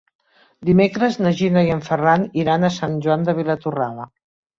Dimecres na Gina i en Ferran iran a Sant Joan de Vilatorrada.